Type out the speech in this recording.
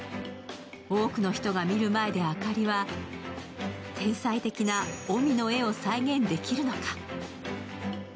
多くの人が見る前であかりは天才的な臣の絵を再現できるのか。